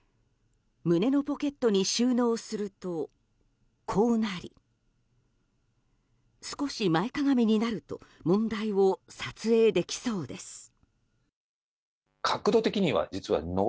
胸のポケットに収納するとこうなり少し前かがみになると問題を撮影できそうです。